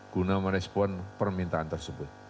guna merespon permintaan tersebut